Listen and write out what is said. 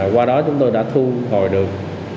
qua đó chúng tôi đã thu hồi được